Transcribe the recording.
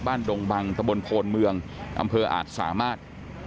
ดงบังตะบนโพนเมืองอำเภออาจสามารถ